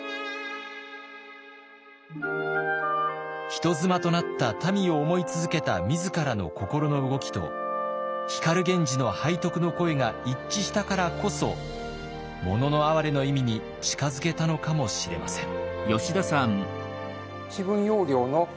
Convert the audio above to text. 人妻となったたみを思い続けた自らの心の動きと光源氏の背徳の恋が一致したからこそ「もののあはれ」の意味に近づけたのかもしれません。